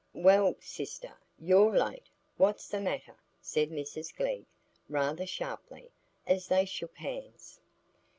"Well, sister, you're late; what's the matter?" said Mrs Glegg, rather sharply, as they shook hands.